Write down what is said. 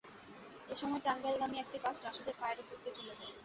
এ সময় টাঙ্গাইলগামী একটি বাস রাশেদের পায়ের ওপর দিয়ে চলে যায়।